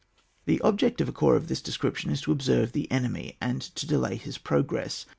The object of a corps of this descrip« 26 ON WAP. [book r. tion, is to observe the enemy, and to delay his progress.